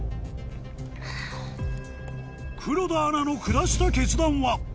黒田アナの下した決断は？